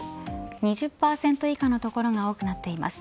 ２０％以下の所が多くなっています。